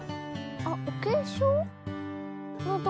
あっお化粧の所？